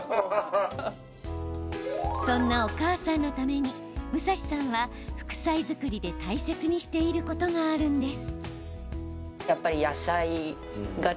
そんな、お母さんのために武蔵さんは、副菜作りで大切にしていることがあるんです。